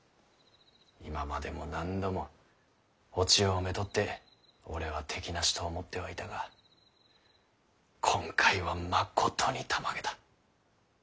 今までも何度もお千代をめとって俺は敵なしと思ってはいたが今回はまことにたまげた。